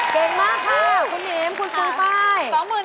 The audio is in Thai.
เก่งมากค่ะคุณหนิมคุณปูป้าย